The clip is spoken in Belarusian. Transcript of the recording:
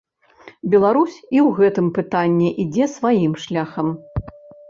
Беларусь і ў гэтым пытанні ідзе сваім шляхам.